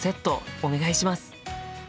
お願いします！